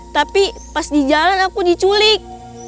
tapi pas di jalan aku diculik